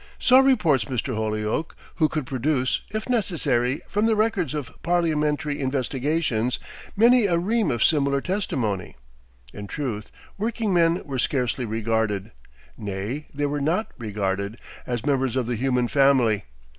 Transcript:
So reports Mr. Holyoake, who could produce, if necessary, from the records of parliamentary investigations, many a ream of similar testimony. In truth, workingmen were scarcely regarded nay, they were not regarded as members of the human family.